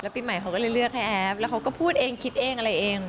ปีใหม่เขาก็เลยเลือกให้แอฟแล้วเขาก็พูดเองคิดเองอะไรเอง